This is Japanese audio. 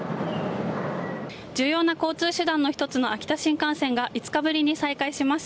重要な交通手段の一つの秋田新幹線が５日ぶりに再開します。